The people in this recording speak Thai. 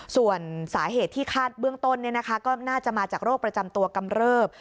ส่วนสาเหตุที่คาดเบื้องต้นก็น่าจะมาจากโรคประจำตัวกำเริบ